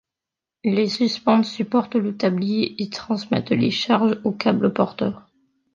Les suspentes supportent le tablier et transmettent les charges aux câbles porteurs.